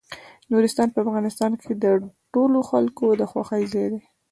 نورستان په افغانستان کې د ټولو خلکو د خوښې ځای دی.